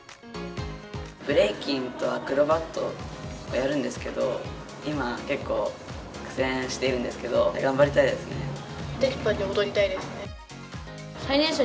ブレイキンとアクロバットとかやるんですけど、今、結構、苦戦しているんですけど、頑張りてきぱき踊りたいですね。